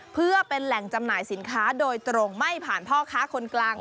เพื่อเป็นแหล่งจำหน่ายสินค้าโดยตรงไม่ผ่านพ่อค้าคนกลาง